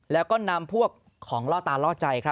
แล้วก็นำพวกของล่อตาล่อใจ